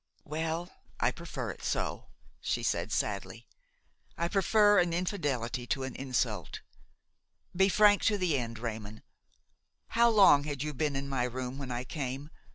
"Well, I prefer it so," she said sadly; "I prefer an infidelity to an insult. Be frank to the end, Raymon. How long had you been in my room when I came?